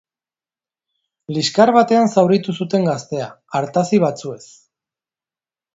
Liskar batean zauritu zuten gaztea, artazi batzuez.